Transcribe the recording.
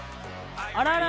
あらら。